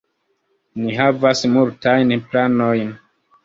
Ni havas multajn planojn.